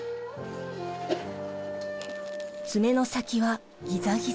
爪の先はギザギザ。